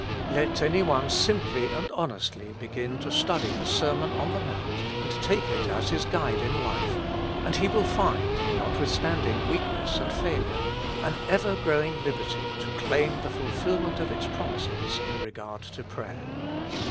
Let any one simply and honestly begin to study the Sermon on the ]\Iount and take it as his guide in life, and he will find, notwithstanding weakness and failure, an ever growing liberty to claim the fulfilment of its promises in regard to prayer.